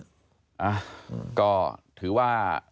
อ่ะก็ถือว่า